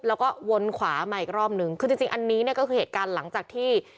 แล้วก็วนขวามาอีกรอบนึงคือจริงจริงอันนี้เนี่ยก็คือเหตุการณ์หลังจากที่